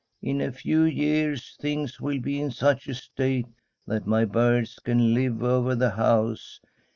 In a few years things will be in such a state that my birds can live all over the house.